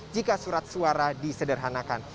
jika surat suara disederhanakan